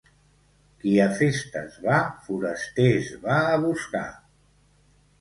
Qui a festes va, forasters va a buscar.